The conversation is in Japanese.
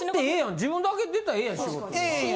自分だけ出たらええやん仕事に。